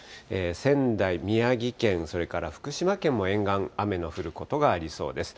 仙台、宮城県、それから福島県も沿岸、雨の降ることがありそうです。